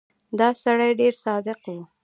دا سړی ډېر صادق و.